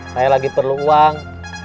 saya lagi perlu uang